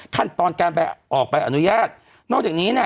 ขั้นตอนการไปออกใบอนุญาตนอกจากนี้เนี่ย